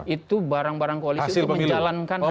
itu barang barang koalisi untuk menjalankan hasil pemilu